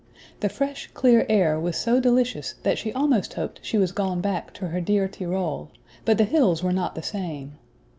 The fresh clear air was so delicious that she almost hoped she was gone back to her dear Tyrol; but the hills were not the same.